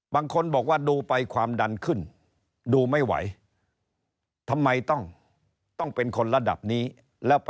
บางคนบอกว่าดูไปความดันขึ้นดูไม่ไหว